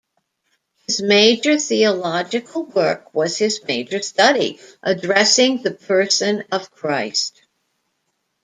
His major theological work was his major study addressing the Person of Christ.